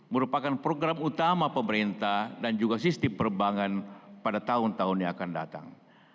merupakan program utama pemerintah dan juga sistem perbankan pada tahun tahun yang akan datang